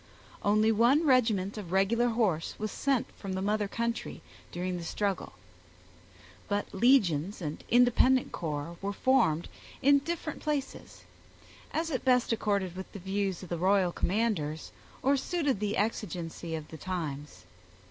Only one regiment of regular horse was sent from the mother country, during the struggle. But legions and independent corps were formed in different places, as it best accorded with the views of the royal commanders, or suited the exigency of the times.